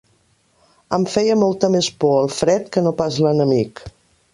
Em feia molta més por el fred que no pas l'enemic.